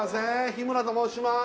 日村と申します